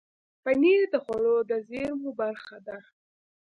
پنېر د خوړو د زېرمو برخه ده.